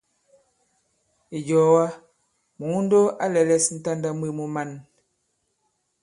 Ìjɔ̀ɔ̀wa, Mùundo a lɛ̄lɛ̄s ǹtanda mwe mu man.